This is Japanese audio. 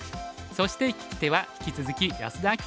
そして聞き手は引き続き安田明